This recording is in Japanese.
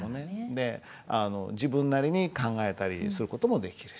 であの自分なりに考えたりする事もできるし。